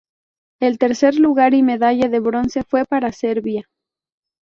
El tercer lugar y medalla de bronce fue para Serbia.